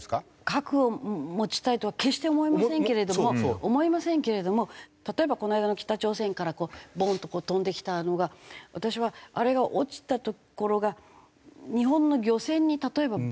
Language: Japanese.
核を持ちたいとは決して思いませんけれども思いませんけれども例えばこの間の北朝鮮からこうボン！と飛んできたのが私はあれが落ちた所が日本の漁船に例えばぶつかって。